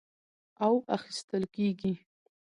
او اخىستل کېږي،